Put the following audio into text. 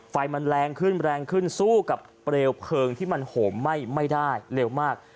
ไฟมันแรงขึ้นแรงขึ้นสู้กับเปลวเพลิงที่มันโหมไหม้ไม่ได้เร็วมาก